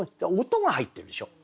音が入ってるでしょう。